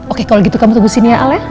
oke kalau gitu kamu tunggu sini ya al ya